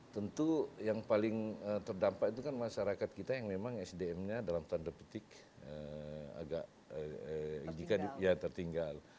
tentu yang paling terdampak itu kan masyarakat kita yang memang sdm nya dalam tanda petik agak tertinggal